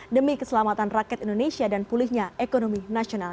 demi keselamatan rakyat indonesia dan pulihnya ekonomi nasional